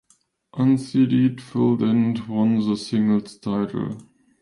Unseeded Phil Dent won the singles title.